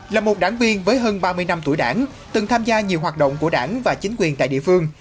là một đảng viên với hơn ba mươi năm tuổi đảng từng tham gia nhiều hoạt động của đảng và chính quyền tại địa phương